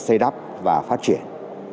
để xây đắp và phát triển